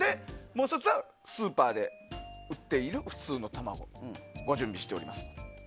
もう１つはスーパーで売っている普通の卵、ご準備しております。